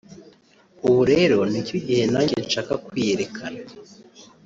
ubu rero ni cyo gihe nanjye nshaka kwiyerekana